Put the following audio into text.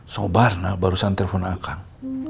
sobarnak barusan telepon akang